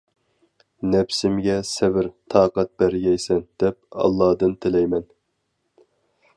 نەپسىمگە سەۋر-تاقەت بەرگەيسەن، دەپ ئاللادىن تىلەيمەن.